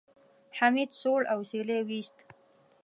حميد سوړ اسويلی وېست.